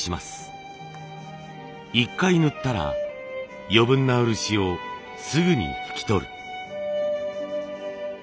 １回塗ったら余分な漆をすぐに拭き取る。